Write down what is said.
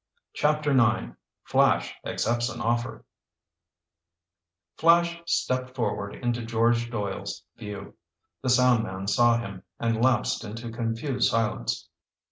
CHAPTER IX FLASH ACCEPTS AN OFFER Flash stepped forward into George Doyle's view. The soundman saw him and lapsed into confused silence.